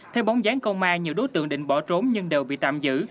theo bóng dáng công an nhiều đối tượng định bỏ trốn nhưng đều bị tạm giữ